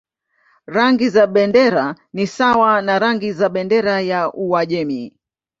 Rangi za bendera ni sawa na rangi za bendera ya Uajemi.